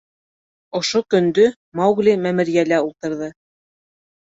Ошо көндө Маугли мәмерйәлә ултырҙы.